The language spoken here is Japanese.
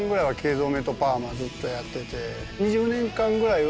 ずっとやってて。